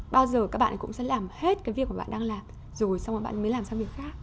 bao giờ các bạn cũng sẽ làm hết cái việc mà bạn đang làm rồi xong rồi bạn mới làm xong việc khác